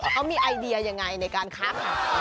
เขามีไอเดียอย่างไรในการค้าฆาต